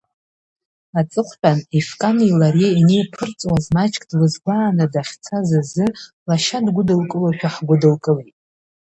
Аҵыхәтәан Ефкани лареи ианеиԥырҵуаз маҷк длызгәааны дахьцаз азы лашьа дгәыдылкылошәа ҳгәыдылкылеит.